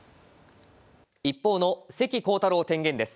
一方の関航太郎天元です。